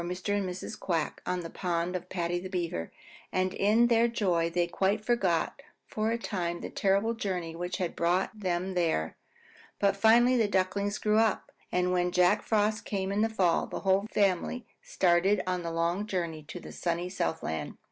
] Oh, those were happy days indeed for Mr. and Mrs. Quack in the pond of Paddy the Beaver, and in their joy they quite forgot for a time the terrible journey which had brought them there. But finally the Ducklings grew up, and when Jack Frost came in the fall, the whole family started on the long journey to the sunny Southland.